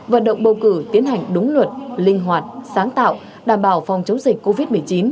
vận động bầu cử tiến hành đúng luật linh hoạt sáng tạo đảm bảo phòng chống dịch covid một mươi chín